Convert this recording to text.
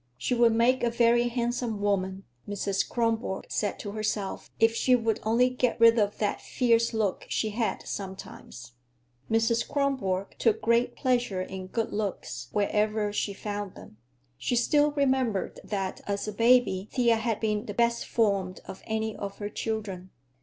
She would make a very handsome woman, Mrs. Kronborg said to herself, if she would only get rid of that fierce look she had sometimes. Mrs. Kronborg took great pleasure in good looks, wherever she found them. She still remembered that, as a baby, Thea had been the "best formed" of any of her children.